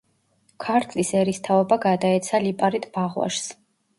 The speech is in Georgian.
ქართლის ერისთავობა გადაეცა ლიპარიტ ბაღვაშს.